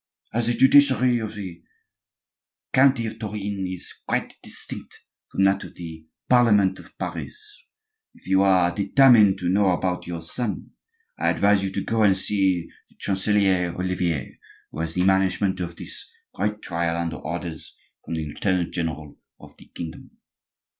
As the justiciary of the county of Tourine is quite distinct from that of the parliament of Paris, if you are determined to know about your son, I advise you to go and see the Chancelier Olivier, who has the management of this great trial under orders from the lieutenant general of the kingdom."